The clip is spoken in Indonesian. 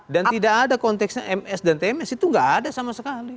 dan tidak ada konteksnya ms dan tms itu tidak ada sama sekali